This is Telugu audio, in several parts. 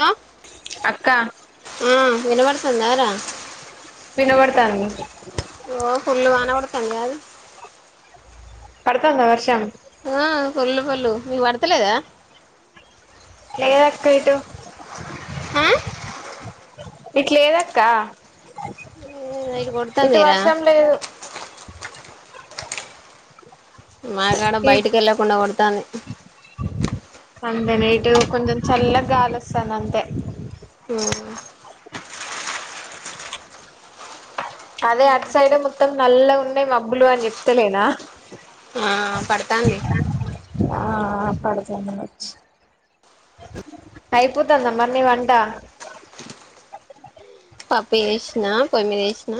హలో అక్క ఆ వినబడుతుందా రా వినబడుతాంది ఓ ఫుల్లు వాన పడుతాంది గాదూ పడుతాందా వర్షం ఆ ఫుల్లు ఫుల్లు మీకు పడుతలేదా లేదక్క ఇటు హా ఇటు లేదక్క ఇటు వర్షం లేదు మాకాడ బయటికి ఎళ్ళకుండా కొడతాంది అంతే నైటు కొంచెం చల్లగాలొస్తాంది అంతే అదే అటు సైడే మొత్తం నల్లగున్నాయి మబ్బులు అని చెప్తలేనా ఆ పడతాంది ఆ పడుతుంది వచ్చి అయిపోతుందా మరి నీ వంట పప్పు చేసినా పొయ్యిమీదేసిన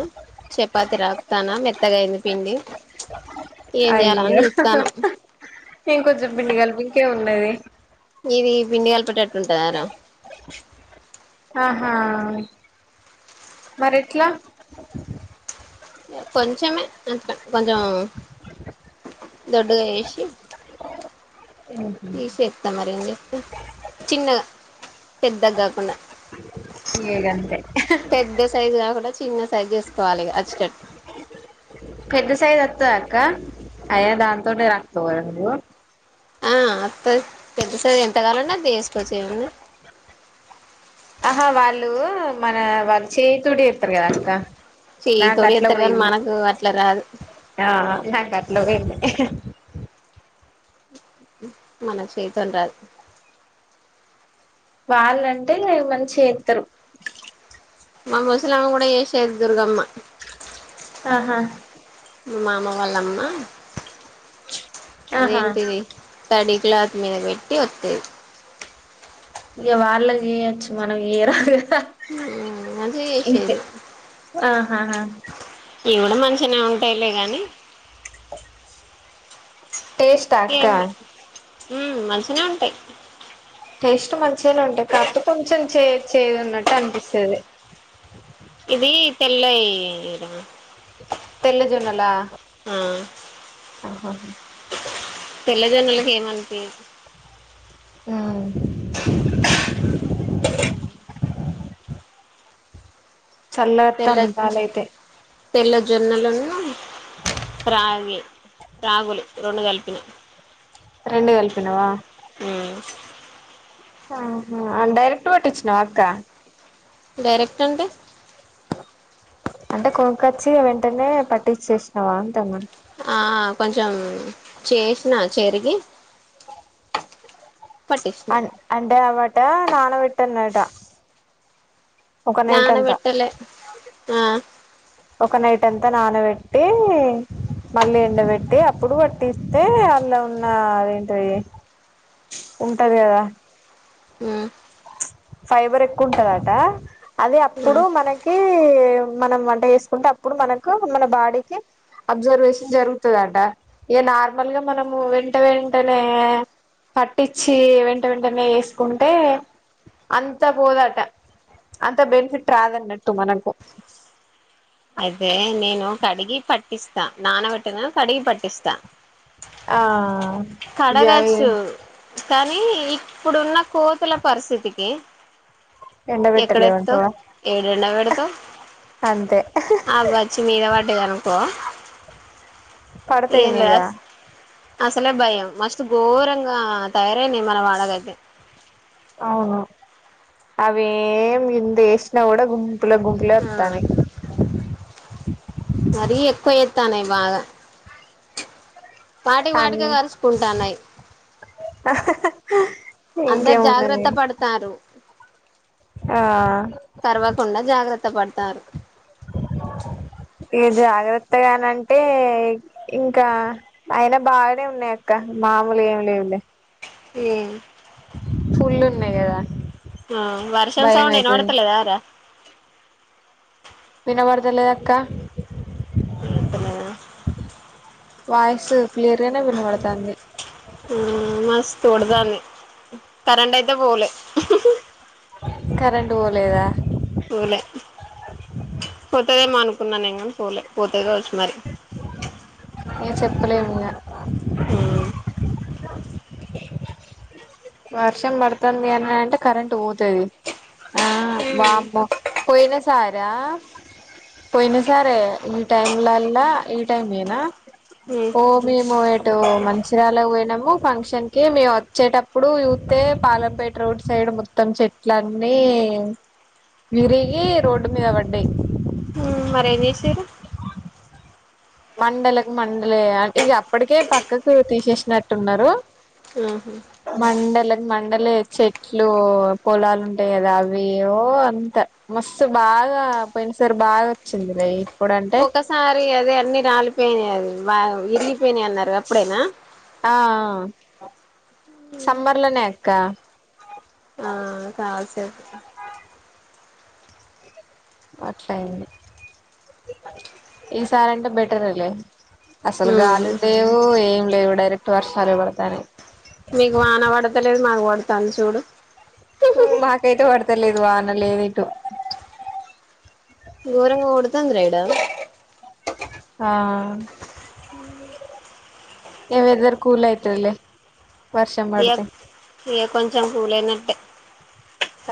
చపాతి రాపుతానా మెత్తగాయింది పిండి ఏం చేయాలని అయ్యో చూత్తాన్నా ఇంకొంచెం పిండి కలిపు ఇంకేమున్నది ఇది పిండి కలపటేట్టుంటదారా ఆహా మరి ఎట్లా కొంచమే కొంచెం దొడ్డుగా వేసి ఉహు తీసేస్తా మరి ఏం చేస్తే చిన్నగా పెద్దగా కాకుండా ఇగంతే సైజ్ కాకుండా చిన్న సైజ్ చేేసుకోవాలి అచ్చినట్టు పెద్ద సైజ్ వత్తద అక్క అయ్యా దాంతోనే రాక్తవరా నువ్వు ఆ వత్తది పెద్ద సైజ్ ఎంత కావాలంటే అంత వేసుకోవచ్చ ఏమన్నా ఆహా వాళ్ళు మన వాళ్ళు చేయి తోటి చేస్తారు కదా అక్క చెయ్య నాకు తోడి అట్లా చేస్తారు కానీ పోయింది మనకు అట్లా రాదు ఆ నాకట్ల పోయింది మన చేతోని రాదు వాళ్ళంటే మంచి చేస్తారు మా ముసలమ్మ కూడా చేసేది దుర్గమ్మ ఆహా మా మామ వాళ్ళమ్మా ఆహా అదేంటిది తడి క్లాత్ మీద పెట్టి వొత్తేది ఇక వాళ్ళకి చేయొచ్చు మనం చేయరాదు కదా మ్మ్ మంచిగా ఇంతే చేసేది ఆహా ఇవి కూడా మంచిగా ఉంటాయిలే గాని టేస్టా అక్క ఏం ఉమ్ మంచినే ఉంటాయి టేస్ట్ మంచిగానే ఉంటాయి కాపో కొంచెం చే చేదున్నట్టు అనిపిస్తది ఇది తెల్ ఇద తెల్ల జొన్నలా ఆ ఆహా తెల్ల జొన్నలకి ఏమంటి ఆ [inaudible] చల్లగొత్తంది తెల్ల గాలయితే తెల్ల జొన్నలునును రాగి రాగులు రెండు కలిపిన రెండు కలిపినవా ఆహా డైరెక్ట్ పట్టిచ్చినవ అక్క డైరెక్ట్ అంటే అంటే కొనుకొచ్చి వెంటనే పట్టిచేసినావా అంటునా ఆ కొంచెం చేసినా చెరిగి పట్టించిన అన్ అంటే అవాట నానబెట్టన్నాట నాన అంతా పేట్టలే ఆ ఒక నైట్ అంతా నానబెట్టి మళ్ళీ ఎండబెట్టి అప్పుడు పట్టిస్తే అళ్లో ఉన్న అదేంటిది ఉంటది కదా ఉమ్మ్ ఫైబర్ ఎక్కువుంటందటా అది అప్పుడు మనకి మనం వంట చేసుకుంటే అప్పుడు మనకు మన బాడీకి అబ్జర్వేషన్ జరుగుతాదంట ఇగ నార్మల్గా మనము వెంట వెంటనే పట్టించి వెంట వెంటనే ఏసుకుంటే అంతా పోదటా అంత బెనిఫిట్ రాదన్నట్టు మనకు అదే నేను కడిగి పట్టిస్తా నానబెట్టిన కడిగి పట్టిస్తా ఆ ఇగ కడగచ్చు కానీ ఇప్పుడున్న కోతుల పరిస్థితికి ఎక్కడెత్తవ్ ఎండబెట్టలేవంటవా ఏడ ఎండ పెడతావ్ అంతే అవి వచ్చి మీద పడ్డాయి అనుకో పడతాయ్ ఏం మీద లేదు అసలే భయం మస్తు ఘోరంగా తయారైనాయి మన వాడలో అయితే అవును అవేం గింతా ఏసిన కూడా గుంపులు గుంపులే ఆ వత్తాన్నాయి మరి ఎక్కువ చేత్తన్నాయ్ బాగా వాటికి వాటికే అన్ కరుసుకుంటానాయ్ అందరు ఇంకేమున్నది జాగ్రత్త పడతారు ఆ కరవకుండా జాగ్రత్త పడతారు ఇగ జాగ్రత్తగానంటే ఇంకా అయిన బాగానే ఉన్నాయ్ అక్క మామూలుగా ఏమి లేవులే ఏ ఫుల్ల్ ఉన్నాయ్ కదా ఆ వర్షం భయం సౌండ్ అయితది వినపడతలేదా ఆరా వినపడుతలేదు అక్క ఇనిపిస్తా లేదా వాయిస్ క్లియర్గానే వినబడతాంది ఉమ్మ్ మస్తు కొడతాంది కరెంట్ అయితే పోలే కరెంట్ పోలేదా పొలే పోతాదేమో అనుకున్నా నేను గాని పొలే పోతది కావచ్చు మరి ఏం చెప్తాలేము ఇంగా ఉమ్ వర్షం పడుతంది అని అంటే కరెంట్ పొతు తాది ఆ వామ్మో పొయినా సారా పోయినా సరే ఈ టైంలోల్లా ఈ టైమేనా ఉమ్ ఓ మేము ఎటు మంచిర్యాలకి పోయినాము ఫంక్షన్‌కి మేము వచ్చేటప్పుడు చుత్తే పాలంపేట రోడ్స్ సైడ్ మొత్తం చెట్లన్నీ విరిగి రోడ్డు మీద పడ్డాయి ఉమ్మ్ మరి ఏం చేసిర్రు మండకం మండలే అంటే ఇగ అప్పటికే పక్కకు తీసేసినట్టున్నారు ఆహు మండలకి మండలే చెట్లు పొలాలు ఉంటాయి కదా అవి ఏవో అంత మస్తు బాగా పోయిన సారి బాగా వచ్చింది రై ఒకసారి అదే అన్నీ రాలిపోయినాయి అది వా ఇరిగిపోయినాయి అన్నారు అప్పుడేనా ఆ సమ్మర్లోనే అక్క ఆ చాల సేపు అట్లయ్యింది ఈసారి అంటే బెటరే లే అసలు ఉమ్ గాలులు లేవు ఏం లేవు డైరెక్ట్ వర్షాలే పడతానాయి మీకు వాన పడుతలేదు మాకు పడుతాంది చూడు మాకైతే పడతలేదు వానలేవీ ఇటు ఘోరంగా కొడుతుంది రా ఈడ ఆ ఏ వెదర్ కూల్ ఐతుదిలే వర్షం పడితే ఏ కొంచెం పూలైనట్టే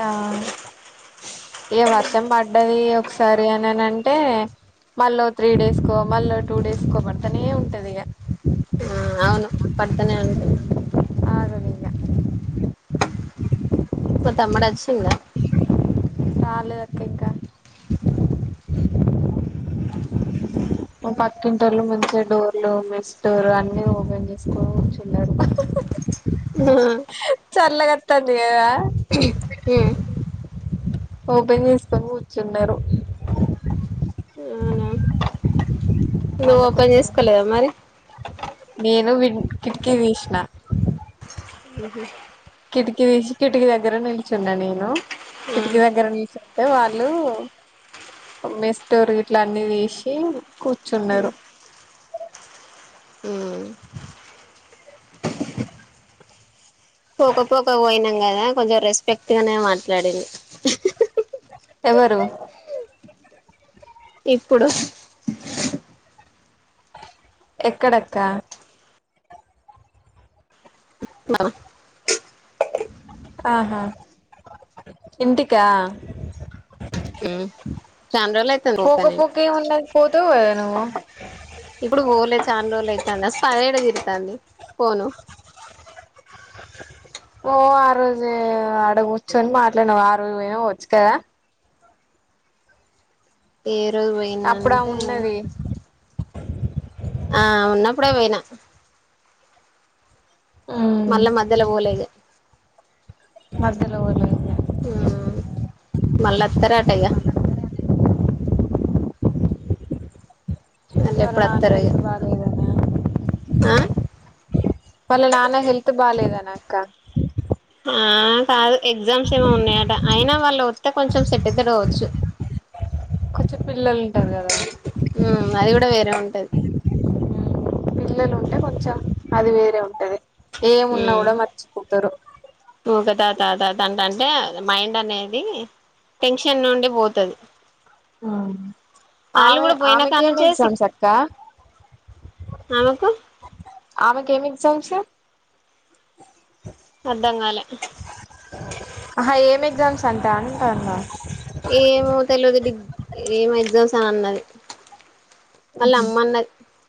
ఆ ఇగ వర్షం పడ్డది ఒకసారి అనని అంటే మళ్ళో త్రీ డేస్ కో మళ్ళో టూ డేస్ కో బడతానే ఉంటది ఇగ ఆ అవును పడతనే ఉంటే ఆగదు ఇగ మీ‌ తమ్ముడు అచ్చిండా రాలేదక్క ఇకా ఊ మాపక్కింటోళ్ళు ముంచిగా డోర్లు మెస్ డోర్ అన్నీ ఓపెన్ చేసుకో కూచున్నాడు చల్లగత్తాంది కదా హూ ఓపెన్ చేసుకొని కూర్చున్నారు అవునా నువ్వు ఓపెన్ చేసుకోలేదా మరి నేనూ విన్ కిటికీ తీసినా ఊహూ కిటికీ తీసి కిటికీ దగ్గర నిల్చున్నా నేను కిటికీ దగ్గర నిల్చుంటే వాళ్ళు మెస్ డోర్ ఇట్లా అన్నీ తీసి కూర్చున్నారు ఉమ్ పోకపోక పోయినాం కదా కొంచెం రెస్పెక్ట్ గానే మాట్లాడింది ఎవరు ఇప్పుడు ఎక్కడక్క [unintelligible] ఆహా ఇంటికా చానా రోజులు ఐతుంది పోక నేను కేం ఉన్నది పోతవు కదా నువ్వు ఇప్పుడుకు ఓలే చానా రోజులైతాంది అస్ [unintelligible] ఏడ తిరుతాంది పోను ఓ ఆ రోజే ఆడ గుర్చొని మాట్లాడినావు ఆ రోజు పోయినావొచ్చు కదా ఏ రోజు అప్పుడా పొయ్యిన్నంటే ఉన్నది ఆ ఉన్నప్పుడే పోయినా మళ్ళ మధ్యల వోలే ఇగ మధ్యల వోలే ఆ మళ్ళత్తరాట ఇగ ఇగ మళ్ళీ వాళ్ళ ఎప్పుడు నానా అత్తరో ఇగ హెల్త్ బాల్ దేనా ఆ వళ్ళ నానా హెల్త్ బాలేదనా అక్క ఆ కాదు ఎగ్జామ్స్ ఏమో ఉన్నాయట అయినా వాళ్ళ వస్తే కొంచెం సెట్ అయితడుకావచ్చు కొంచెం పిల్లలు ఉంటారు కదా ఉ అది కూడా వేరే ఉంటది పిల్లలుంటే కొంచెం అది వేరే ఉంటది ఏమున్నా కూడా మర్చిపోతారు ఊకే తాతా తాతంటే మైండ్ అనేది టెన్షన్ నుండి పోతది వాళ్ళు ఆమె కూడా పోయిన ఆమెకి ఏం కానుంచే ఎగ్జామ్స్ అక్క ఆమకు ఆమెకేం ఎగ్జామ్సు అర్థంగాలే ఆహా ఏం ఎగ్జామ్స్ అంట అంటాన్న ఏమో తెల్వది డిగ్ ఏమో ఎగ్జామ్స్ ఆ అన్నది వాళ్ళ అమ్మన్నది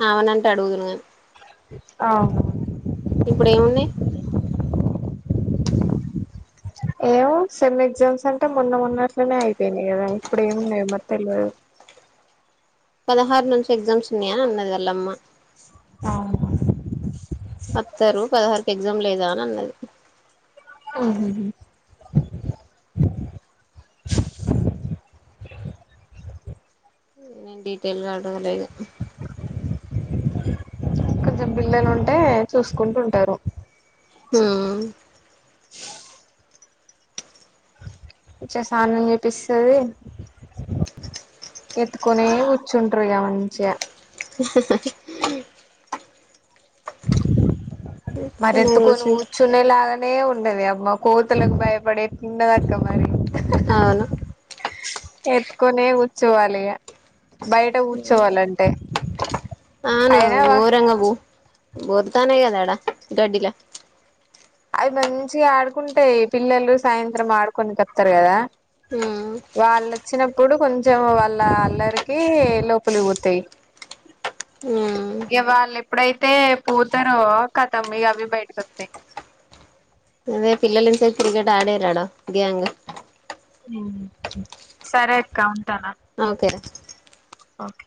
ఆవనంటే అడుగుతునుగానీ అవును ఇప్పుడు ఏమున్నాయ్ ఏమో సెమ్ ఎగ్జామ్స్ అంటే మొన్న మోన్నట్లనే అయిపోయినాయి కదా ఇప్పుడ ఏమున్నాయో మరి తెల్వదు పదహారు నుంచి ఎగ్జామ్స్ ఉన్నాయనీ అన్నది వల్లమ్మ అవున్ ఆత్తరు పదహారుకి ఎగ్జామ్ లేదా అని అన్నది ఉహుహు నేన్ డీటెయిల్ గా అడగలే ఇగ కొంచెం పిల్లలు ఉంటే చూసుకుంట ఉంటారు హు [inaudible] చ్చే స్నానం చేపిస్తది ఎత్తుకోనే కూర్చుంటారు ఇగ మంచిగా హాహాహా మరి ఎత్తుకోని కూర్చునే లాగా నే ఉండది అమ్మ కోతులకు భయపడే ఎట్లున్నదక్క మరి అవును ఎత్తుకొనే కూర్చోవాలి ఇగ బయట కూర్చోవాలంటే అయినావా బొత్తనయి కదా ఆడ గడ్డిలా అవి మంచిగా ఆడుకుంటాయి పిల్లలు సాయంత్రం ఆడుకొనికత్తారు కదా హు వాళ్ళు వచ్చినప్పుడు కొంచెం వాళ్ళ అల్లరికి లోపలికి పోతాయి హ్ ఆ ఇగ వాళ్ళేప్పుడైతే పోతరో కతం ఇగ అవ్వి బయటికోత్తయ్ అదే పిల్లలు ఇంతసేపు క్రికెట్ అడ్డీరూ ఆడ గ్యాంగు సరే అక్క ఉంటానా ఓకే ఓకే